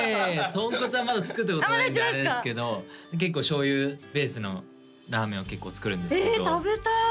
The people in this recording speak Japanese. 豚骨はまだ作ったことないんであれですけど結構醤油ベースのラーメンを作るんですけどええ食べたい！